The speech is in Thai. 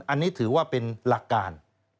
อันนี้ถือว่าเป็นหลักการ